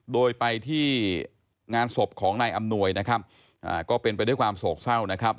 โดยไปที่งานศพของนายอำนวยนะครับก็เป็นไปด้วยความโศกเศร้านะครับ